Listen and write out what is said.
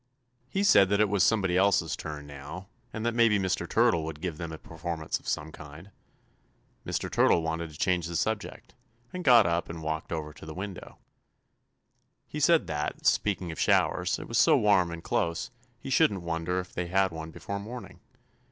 He said that it was somebody else's turn now, and that maybe Mr. Turtle would give them a performance of some kind. Mr. Turtle wanted to change the subject, and got up and walked over to the window. He said that, speaking of showers, it was so warm and close, he shouldn't wonder if they had one before morning.